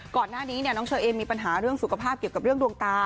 ก่อนหน้านี้น้องเชอเอมมีปัญหาเรื่องสุขภาพเกี่ยวกับเรื่องดวงตา